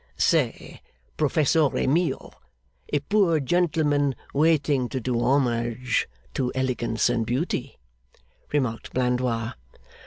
'Say, Professore Mio, a poor gentleman waiting to do homage to elegance and beauty,' remarked Blandois.